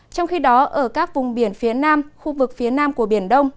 trong khi đó ở các vùng biển phía nam khu vực phía nam của biển đông